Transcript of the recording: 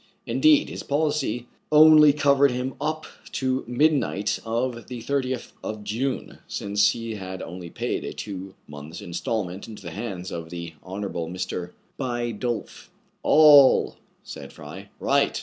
Indeed, his policy only covered him up to midnight of the 30th of June, since he had only paid a two months* instalment into the hands of the Honora ble Mr. Bidulph. "All"— said Fry. " Right